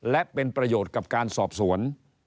และเป็นประโยชน์กับการสอบสวน